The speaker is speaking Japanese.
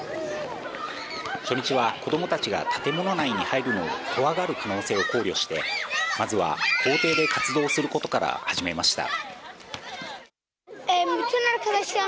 初日は子供たちが建物内に入るのを怖がる可能性を考慮して、まずは校庭で活動することから始めました。